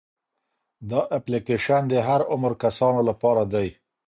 دا اپلیکیشن د هر عمر کسانو لپاره دی.